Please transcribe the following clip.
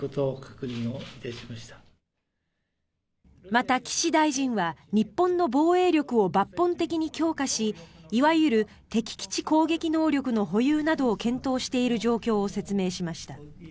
また岸大臣は日本の防衛力を抜本的に強化しいわゆる敵基地攻撃能力の保有などを検討している状況を説明しました。